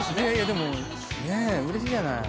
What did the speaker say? でもうれしいじゃない。